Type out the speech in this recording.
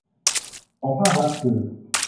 ของภาครัฐคือ